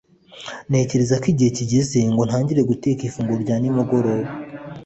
ntekereza ko igihe kigeze ngo ntangire guteka ifunguro rya nimugoroba